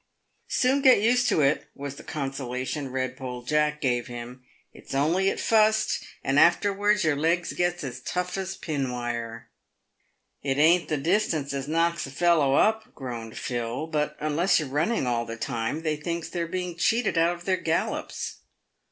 "Soon get used to it," was the consolation Eedpoll Jack gave him ;" it's only at fust, and afterwards your legs gets as tough as pin wire." 194 PAYED WITH GOLD. " It ain't the distance as knocks a fellow up," groaned Phil, " but unless you're running all the time they thinks they're being cheated out of their gallops."